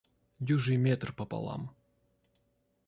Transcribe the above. Дюжий метр пополам!